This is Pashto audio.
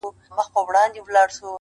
ها ښکلې که هر څومره ما وغواړي,